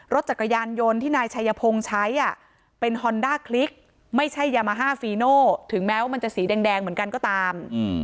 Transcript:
รถจักรยานยนต์ที่นายชัยพงศ์ใช้เป็นฮอนด้าคลิกไม่ใช่ยามาฮ่าฟีโน่ถึงแม้ว่ามันจะสีแดงเหมือนกันก็ตาม